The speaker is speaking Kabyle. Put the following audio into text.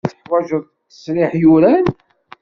Teḥwajeḍ ttesriḥ yuran.